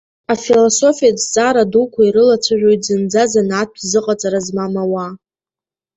Афилософиатә зҵаара дуқәа ирылацәажәоит зынӡа занааҭтә зыҟаҵара змам ауаа.